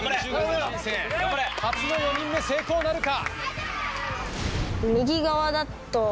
初の４人目成功なるか？